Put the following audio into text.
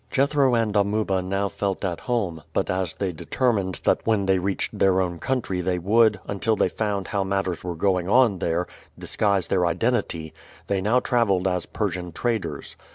Jethro and Amuba now felt at home, but as they determined that when they reached their own country they would, until they found how matters were going on there, disguise their identity, they now traveled as Persian traders.